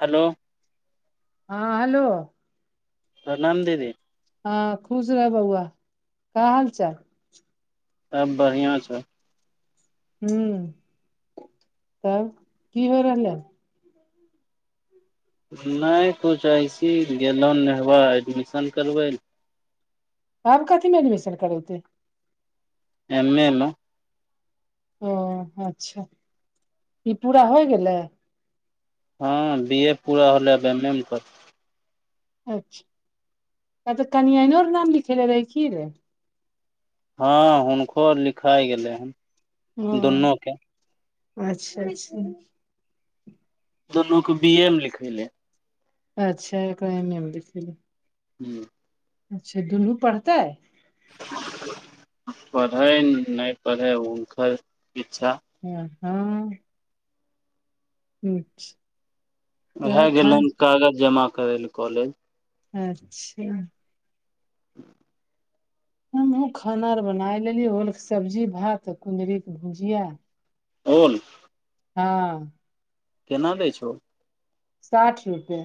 Hello हँ hello प्रणाम दीदी हँ खुश रह बौआ [inaudible] का हाल चाल सब बड़ियाँ छौ हु [inaudible] तब की हो रहलै। नहि किुछ अइसी गेलहु नेहबा एडमिशन करबै लए। आब कथीमे एडमिशन करेते। एमे मऽ ओ अच्छा ई पूरा होइ गेलै। हँ बी ए पूरा होलै आब एम ए मे कर अच्छा आ तऽ कनियनो र नाम लिखेेले रहै की रे। हँ हुनको लिखाै गेलै हन ओ दुनू के अच्छा छै दुोनू को बी ए मे लिखैले अच्छा एकर ऐमे मऽ लिखेले हू अच्छा दुनू पढ़ताै पढ़ै नहि पढ़ै हुनकर इच्छा ह हँ अचछा उहाय गेलो हन कागज जमा करे ले कॉलेज अच्छा हमहु खाना आर बना लेली होल के सब्जी भात कुंदरी के भुजिया ओल हँ केना दै छो ओल साठि रुपए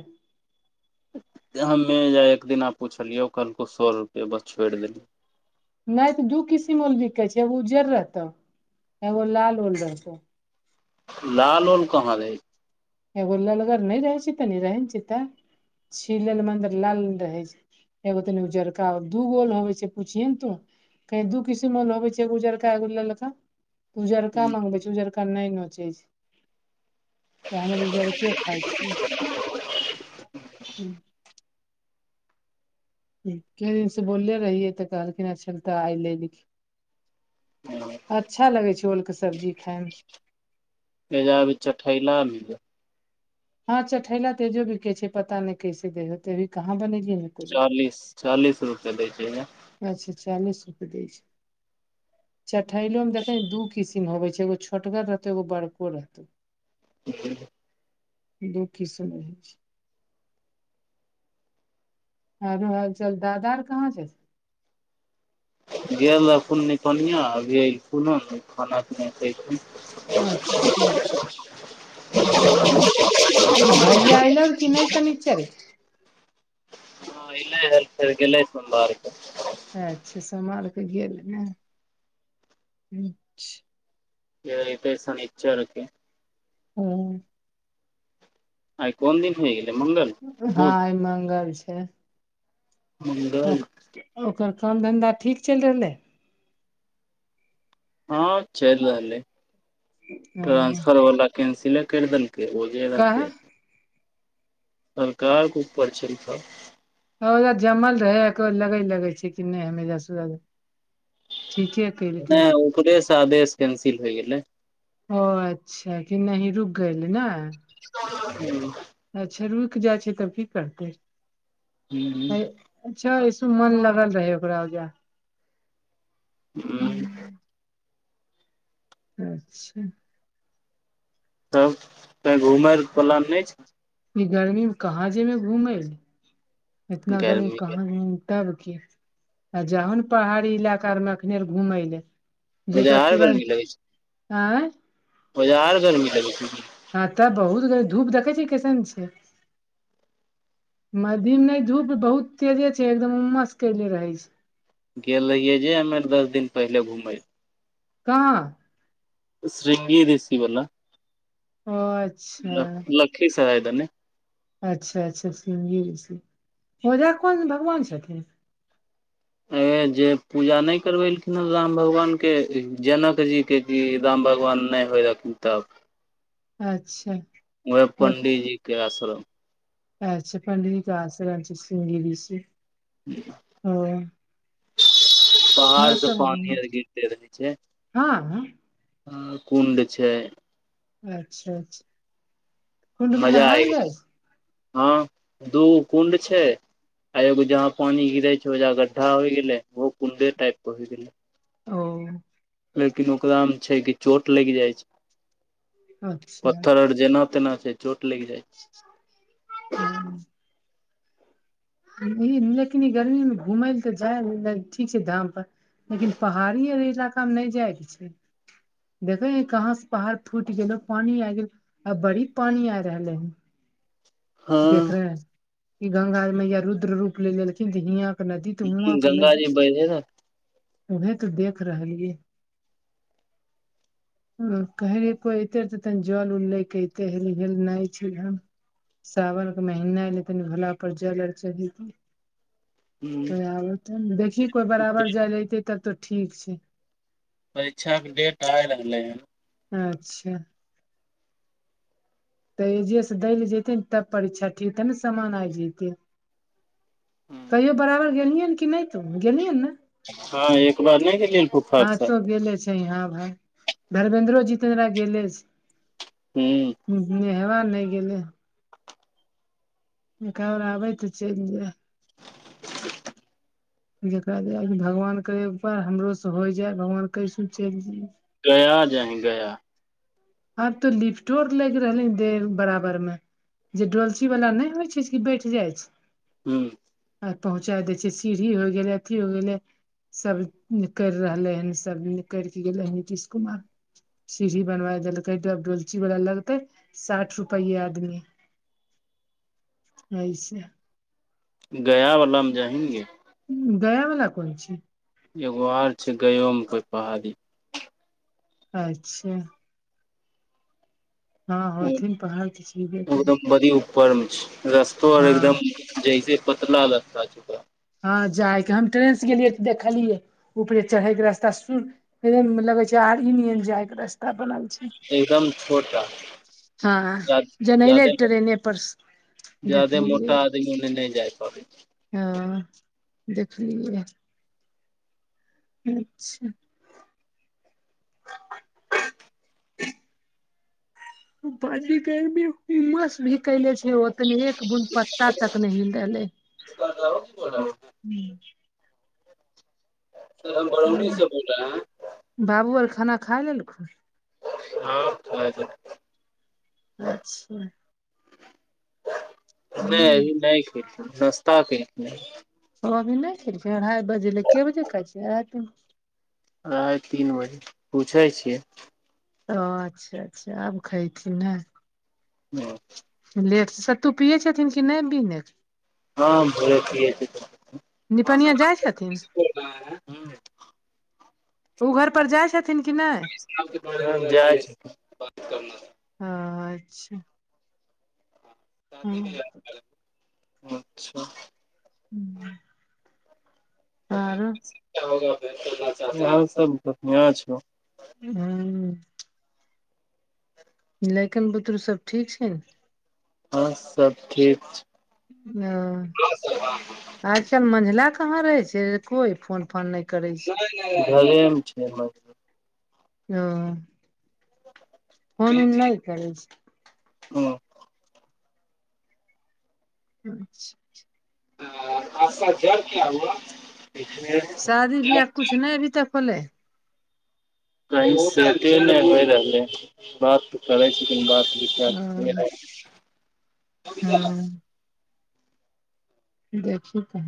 हमे जे एक दिना पुछलियौ कहलकौ सए रुपैआ बस छोड़ि देलियौ नहि तऽ दू किसिम ओल बिकै छै एगो उज्जड़ रहतो एगो लाल ओल रहतौ लाल ओल कहाँ रहै छै एगो ललगर नहि रहै छै तनी रहै ने छै तऽ छीलल मऽ अंदर लाल रहै छै एगो तनिगो उजरका दू गोल होबे छै पूछििये ने तू कही दू किसीो होबे छै उजरका एगु ललका उजरका मंगबे छै उजरका नहि नोचे छै तऽ हम अर उजार के खाइ छियै कते दिन से बोले रहिये तऽ कहलखिन अच्छा तऽ आय लेलखिन रहै अच्छा लगै छै ओलके सब्जी खाायमे एहिज भी चठैला हँ चठैला तेजो बिके छै पता नहि कैसे दे होतेभी कहाँ बनेलियै कोइ दिन चालीस चालीस रुपए दै छै अच्छा चालीस रुपे दै छै चठैलो मे देखै दू किसिम होबै छै एगो छोटगर रहतौ एगो बड़को रहतौ [unintelligible] दू किसिम रहै छै हरो हाल चल दादार कहाँ छै गेल रहथुन कोनिया अभीन खाना पीना अच्छा [unintelligible] ओ आ भैया आइल आर कि नहि सनिचर के हँ एले हल फेर गेले सोमबारके अच्छा सोमवार केऽ गेलय ने अच्छा लियऽ ई पैसा नहि चलते हू आइ कोन दिन होइ गेलै मंगल हँ बुध आई मंगल छै मंगल ओकर ओकर काम धन्धा ठीक चलि रहलै हँ चेल रहलै ह ट्रानंसफर वला कैंसिले कर देलक काहे [unintelligible] सरकार के ऊपर से नऽ सब जमल रहै लगे लगे छै कि नहि हमे ठीके केलकै नहि ऊपरेसँ आदेश कैंसिल होइ गेलै ओ अच्छा कि नहि ही रुक गेलल ने हू अच्छा रुकि जाइ छै तब की करतै हू हू अ- अच्छा ऐसु मन लगल रहै ओकरा ओयजा हू हम्म, अच्छा तब घुमै अर कऽ प्लान नहि छै ई गर्मी मे कहाँ जेमे घूमेै छै इतना गर्मी के कहाँ तब की आ जाहो ने पहाड़ी इलाकार मे अखने आर घुमय लए जेतय एजा आर तुरंत आँ ओजय और गर्मी लगय छै कि हँ तऽ बहुत ग धूप देखे छी कैसन छै मद्धिम ने धूप बहुत तेजे छै एकदम उम्मस केले रहे छै गेल रहियै जे हमे आर दस दिन पहिले घुमय कहाँ शृंगी ऋषिवला ओ अच्छा कि [unintelligible] अच्छा अच्छा श्रृंगी ओजा कोन भगवान छथिन अे जे पूजा नहि करबेलखिन हे राम भगवान के जनक जी के जी राम भगवान नहि होइ रहखिन तब अच्छा ओह ओ पंडितजी के आश्रम अच्छा पंडित जी के आश्रम छी श्रृंगी ऋषि छै ओ पहाड़ हँ से सब पानी आर गिरते रहे छै हँ आ कुंड छै अच्छा अच्छा कुण्ड मे मजा आइ नहायल जाइ छै हँ दू कुंड छै आ एगो जहा पानी गिरे छै ओएजा गड्ढा होय गेले ओहो कुंडे टाइप के होय गेले ओ लेकिन ओकरा मे छै कि चोट लगि जाइ छै अच्छा पत्थर आर जेना तेना छै चोट लगि जाइ छै हू ई लेकिन ई गर्मीमे घूमै लए तऽ जाय ठीक छै धाम पर लेकिन पहाड़ी आ इलाका मे नहि जायके छै देखे नहि कहाँ से पहाड़ फूटि गेलो पानी आ गेल आ बड़ी पानी आय रहलै हन देखरे हँ ई गंगा मैया रुद्र रूप ले लेलखिन तऽ हियाँ के नदी तऽ हुआँ के नदी गंगाजी बहे ने उहे तऽ देख रहलियै [inaudible] ओ कहे रहै कोइ एते रहै तऽ तनी जल उल ले के एतै हेल नय छै इहाँ सावनक के महीना एलै तनी भोला पर जल आर चढैतियै देखही कोइ बराबर जाइ लैतै तब तऽ ठीक छै परीक्षाके डेट आइ रहलै हन अच्छा तऽ एहिजेसे दै ले जैते नऽ तब परीक्षा ठीक तै न सामान आइ जैतै हन कहियो बराबर गेलहि हन कि नय तों गेलहि हन ने हँ एक बाद नय गेलियै फुफाक हँ साथ तो गेलै छै यहाँ भाय धर्मेेंन्द्रो जितेन्द्रा गेलेसे हूँ हुँ हुँ नेहरा नय गेलै एक आओर आबै तऽ चलि जाय जेकरा जे भगवान करे हमरो से होइ जाय भगवान कैसो चलि गया जाय हय गया आब तो लिफ्टो आर लैग रहलै हेन दे बराबर मे जे डोलची वाला नय होइ छै कि बैठ जाइ छै हुँ आ पहुँचाइ दै छियै सीढ़ी होइ गेलै अथी होइ गेलै सब करि रहलै हन सब निकरि कऽ गेलै हन नीतीश कुमार सीढ़ी बनबाए देलक कै डब आब डोलची बाला लगतै साठ रुपैये आदमी अय से गया वला मे जाहि न गे गया वला कोन छियै एगो आओर छियै गयोमे कोइ पहाड़ी अच्छा हँ होथिन पहाड़ कि छिबे करबै एकदम बड़ी ऊपर मे छै रस्तो आओर एकदम जैसे पतला रस्ता छै ओकरा हँ जायके हम ट्रेन से गेलियै तऽ देखलियै ऊपरे चढ़ैके रास्ता सुुर एदम लगै छै आरी नियन जाय के रास्ता बनल छै एकदम छोटा हँ जनेले जादे ट्रेने पर जादे देखलियै मोटा ओने नय जाय पाबै छै हँ देखलियै रहै अच्छा बाजी भी उमस भी कैले छै ओतने बुन पत्ता तक नय हील रहले छै। सर हन आओर [unintelligible] बाबू आर खाना खाय लेलखुन हँ खाय लेलकै। अच्छा नै हूँ अभी नै खेलाखिन नाश्ता केलखिन है ओ अभी नै खेलकै अड़्हाइ बजे लै केँ बजे खा छि अड़हाइ तीन बजे पूछै छियै अच्छा अच्छा आब खयथिन ने [unintelligible] लेट सत्तू पियै छथिन कि नै बीने हँ भोरे पियै निपनिया जाइ छथिन [unintelligible] ओ घर पर जै छथिन कि नै [unintelligible] हऽ अच्छा हँ [unintelligible] [unintelligible] आरो [unintelligible] [unintelligible] लैकन बुतरू सब ठीक छै न हऽ सब ठीक छै अ [inaudible] आज काइल मझला कहाँ रहे छै कोई फोन फोन नै [unintelligible] घरे म छै [unintelligible] फोन उन नै करै छै हँ। [unintelligible] [unintelligible] शादी बियाह कुछ नै अभी तक भेलै कही सेटे नै होइ रहले है बात कै छि ओ बात [unintelligible] [unintelligible] देखही कही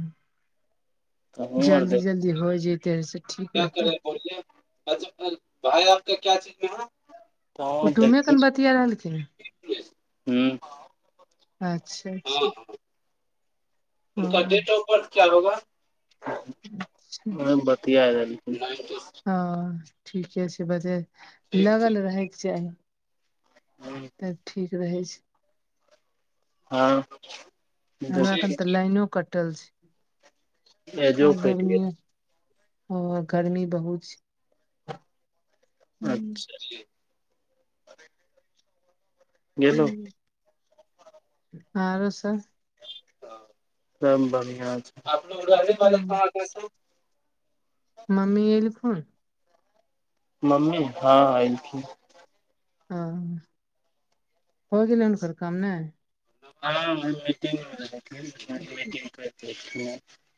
तहुँ आर जल्दी देख जल्दी होइ जैते से ठीक रहतै कुटुमे कन बतिया रहलखिन [unintelligible] [unintelligible] [unintelligible] अच्छा अच्छा हँ [unintelligible] [unintelligible] हऽ ठीके छै बज लगल रहे केँ चाही तब ठीक रहै छै [unintelligible] हमरा अखन तऽ लाइनो कटल एजो छै [inaudible] कटि गर्मियो ओ गर्मी बहुत छै हूँ [unintelligible] गेलो हु [inaudible] आरो सब सब बड़ियाँ हँ छै [unintelligible] मम्मी एलखुन मम्मी हँ हँ एलखिन हँ हो गेलै हुनकर काम नहि हँ मटिंग [unintelligible]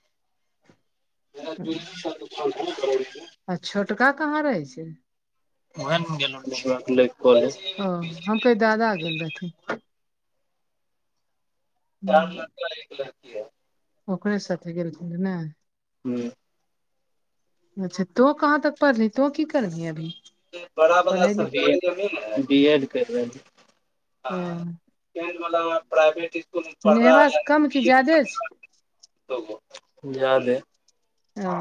आ छोटका कहाँ रहै छै। उएहन गेल ओ हम कहै दादा गेल रहथिन हूँ, [unintelligible] ओकरे साथ गेल छलय नऽ हूँ अच्छा तो कहाँ तक पढ़ली तो की करबीै अभी बड़ा बड़ा पढ़ै लिख बी एड कर ह रहली मरा प्राइवेट स्कूल पढ़ रह नेहेबासँ कम कि बी ए ज्यादे छै याद ह ओ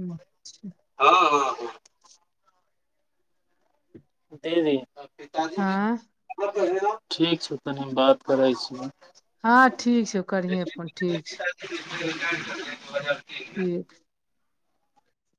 अच्छा हँ हँ हँ [unintelligible] ठीक हँ छै तनि हम बात करै छीय हँं ठीक छै करिहे फोन ठीक छै [unintelligible] ठीक